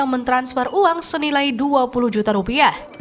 mentransfer uang senilai dua puluh juta rupiah